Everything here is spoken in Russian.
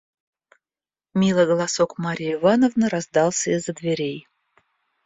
Милый голосок Марьи Ивановны раздался из-за дверей.